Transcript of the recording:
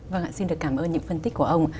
vâng ạ xin được cảm ơn những phân tích của ông